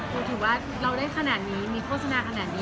ถือว่าเราได้ขนาดนี้มีโฆษณาขนาดนี้